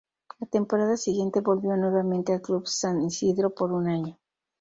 La temporada siguiente volvió nuevamente al Club San Isidro por un año.